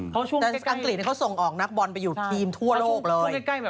แต่อังกฤษเขาส่งออกนักบอลไปอยู่ทีมทั่วโลกเลย